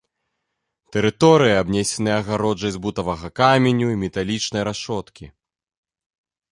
Тэрыторыя абнесеная агароджай з бутавага каменю і металічнай рашоткі.